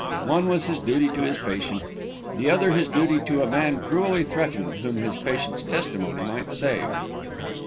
One was his duty to his patient; the other his duty to a man cruelly threatened, whom his patient's testimony might save.